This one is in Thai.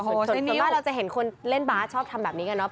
โอ้โฮใช้นิ้วส่วนมากเราจะเห็นคนเล่นบาสชอบทำแบบนี้กันเนอะ